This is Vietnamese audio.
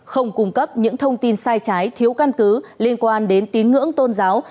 không cung cấp những thông tin sai trái thiếu căn cứ liên quan đến tín ngưỡng tôn giáo